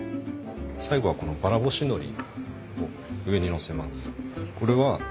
最後はこのばら干しのりを上にのせます。